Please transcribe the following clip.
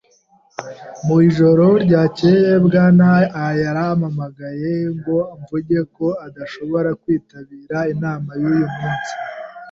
Mu ijoro ryakeye, Bwana A yarampamagaye ngo mvuge ko adashobora kwitabira inama yuyu munsi